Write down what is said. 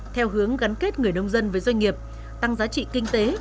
theo hướng gắn kết người nông dân với doanh nghiệp tăng giá trị kinh tế